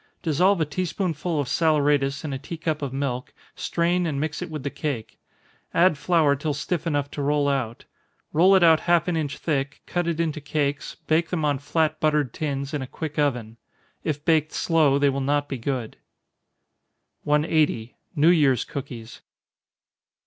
Dissolve a tea spoonful of saleratus in a tea cup of milk, strain and mix it with the cake add flour till stiff enough to roll out roll it out half an inch thick, cut it into cakes, bake them on flat buttered tins, in a quick oven. If baked slow, they will not be good. 180. _New Year's Cookies.